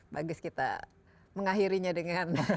bagus kita mengakhirinya dengan